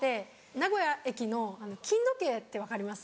名古屋駅の金時計って分かります？